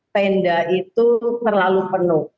tenda itu terlalu penuh